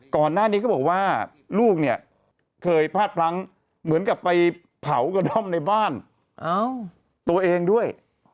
ก่อนหน้านี้เขาบอกว่าลูกเนี่ยเคยพลาดพลั้งเหมือนกับไปเผากระท่อมในบ้านตัวเองด้วย